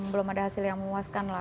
belum ada hasil yang memuaskan lah